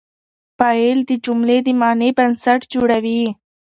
فاعل د جملې د معنی بنسټ جوړوي.